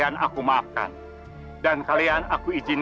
aku menang lagi